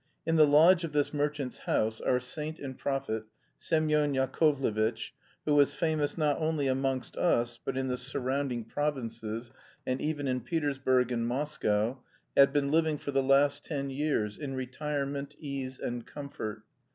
In the lodge of this merchant's house our saint and prophet, Semyon Yakovlevitch, who was famous not only amongst us but in the surrounding provinces and even in Petersburg and Moscow, had been living for the last ten years, in retirement, ease, and comfort.